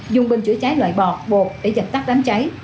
dùng binh chứa cháy loại bọt bột để giật tắt đám cháy